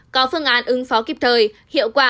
có phương án ứng phó kịp thời hiệu quả